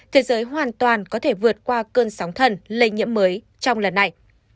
thế giới hoàn toàn có thể vượt qua cơn sóng thần lây nhiễm mới trong lần này